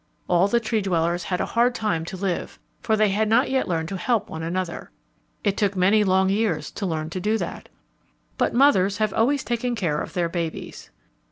All the Tree dwellers had a hard time to live, for they had not yet learned to help one another. It took many long years to learn to do that. But mothers have always taken care of their babies.